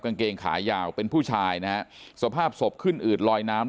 กางเกงขายาวเป็นผู้ชายนะฮะสภาพศพขึ้นอืดลอยน้ำ